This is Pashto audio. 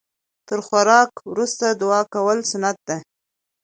تر خوراک وروسته دعا کول سنت ده